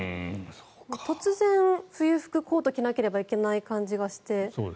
突然、冬服、コートを着なければいけない感じがして。